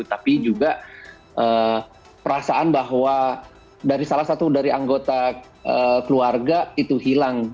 tapi juga perasaan bahwa dari salah satu dari anggota keluarga itu hilang